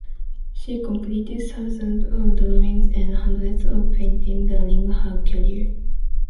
She completed thousands of drawings and hundreds of paintings during her career.